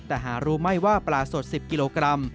แต่หารู้ไหมว่าปลาสด๑๐กิโลกรัม